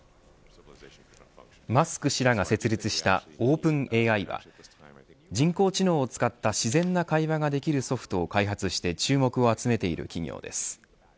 マスク氏らが設立したオープンＡＩは人工知能を使った自然な会話ができるソフトを開発して注目を集めている企業です。